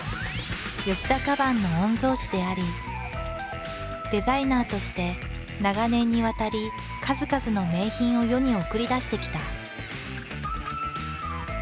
田カバンの御曹子でありデザイナーとして長年にわたり数々の名品を世に送り出してきた。